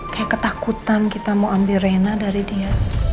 kayak ketakutan kita mau ambil rena dari dia